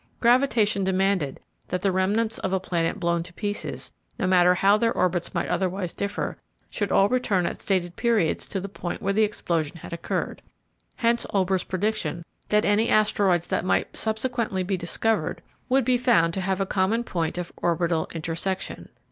Gravitation demanded that the remnants of a planet blown to pieces, no matter how their orbits might otherwise differ, should all return at stated periods to the point where the explosion had occurred; hence Olbers' prediction that any asteroids that might subsequently be discovered would be found to have a common point of orbital intersection.